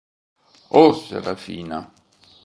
Oh, Serafina!